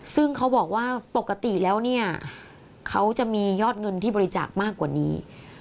ซึ่งเขาบอกว่าปกติแล้วเนี่ยเขาจะมียอดเงินที่บริจาคมากกว่านี้